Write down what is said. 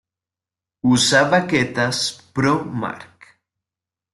Usa baquetas Pro Mark.